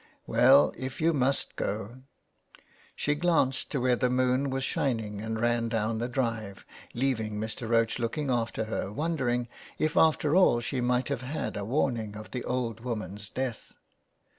" Well, if you must go.'' She glanced to where the moon was shining and ran down the drive, leaving Mr. Roche looking after her, wondering if after all she might have had a warning of the old woman's death.